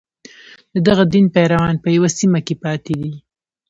د دغه دین پیروان په یوه سیمه کې پاتې دي.